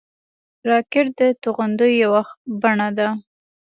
راکټ د توغندیو یوه بڼه ده